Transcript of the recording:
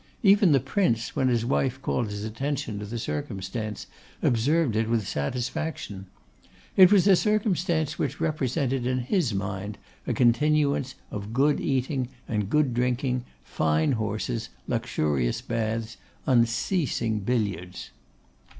Even the Prince, when his wife called his attention to the circumstance, observed it with satisfaction. It was a circumstance which represented in his mind a continuance of good eating and good drinking, fine horses, luxurious baths, unceasing billiards.